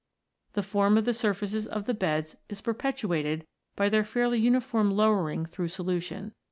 The form of the surfaces of the beds is perpetuated by their fairly uniform II] THE LIMESTONES 45 lowering through solution.